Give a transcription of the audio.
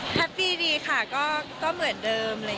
แฮปปี้ดีค่ะก็เหมือนเดิม